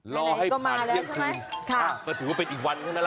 รอให้ผ่านเที่ยงคืนก็ถือว่าเป็นอีกวันเท่านั้นล่ะ